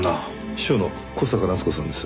秘書の小坂奈都子さんです。